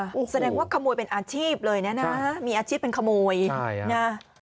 โอ้โหแสดงว่าขโมยเป็นอาชีพเลยนะมีอาชีพเป็นขโมยนะ